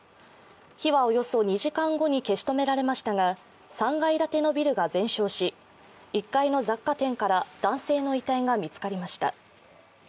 火は、およそ２時間後に消し止められましたが３階建てのビルが全焼し、１階の雑貨店から男性の遺体が見つかりました。